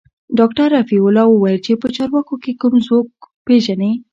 ډاکتر رفيع الله وويل چې په چارواکو کښې کوم څوک پېژني.